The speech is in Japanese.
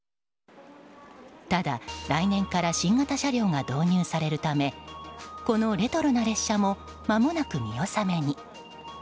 ただ、来年から新型車両が導入されるためこのレトロな列車もまもなく見納め。